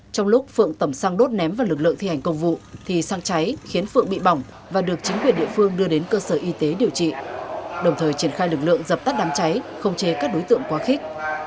trong lúc phượng tẩm xăng đốt ném vào lực lượng thi hành công vụ thì xăng cháy khiến phượng bị bỏng và được chính quyền địa phương đưa đến cơ sở y tế điều trị đồng thời triển khai lực lượng dập tắt đám cháy không chế các đối tượng quá khích